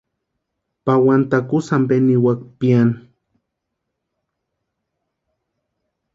Pawani takusï ampe niwaka piani.